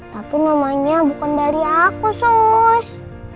tapi namanya bukan dari aku so